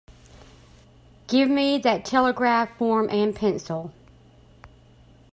Give me that telegraph form and pencil.